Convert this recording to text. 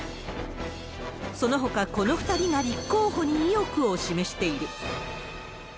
そのほか、この２人が立候補に意欲を示している。